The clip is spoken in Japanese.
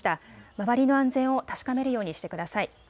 周りの安全を確かめるようにしてください。